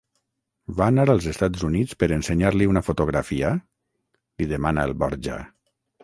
Va anar als Estats Units per ensenyar-li una fotografia? —li demana el Borja.